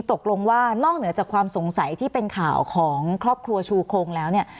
ตกลงว่านอกเหนือจากความสงสัยที่เป็นข่าวของครอบครัวชูคงแล้วเนี่ย